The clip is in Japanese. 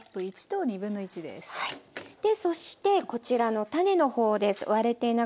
そしてこちらの種の方です。